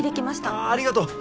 ああありがとう。